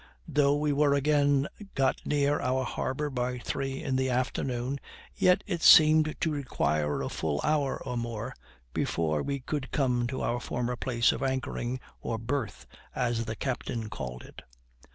Though we were again got near our harbor by three in the afternoon, yet it seemed to require a full hour or more before we could come to our former place of anchoring, or berth, as the captain called it.